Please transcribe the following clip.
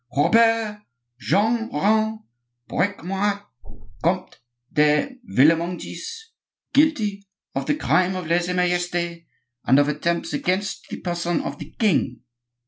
"Robert Jean Rene Briquemart, Comte de Villemongis, guilty of the crime of lese majeste, and of attempts against the person of the king!"